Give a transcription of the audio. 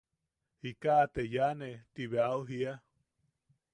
–Ikaʼa te yaʼane– Ti bea au jiia.